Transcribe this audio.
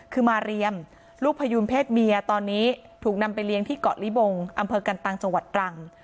คือมาเรียมลูกพยูนเพศเมียตอนนี้ถูกนำไปเลี้ยงที่เกาะลิบงอำเภอกันตังจังหวัดตรัง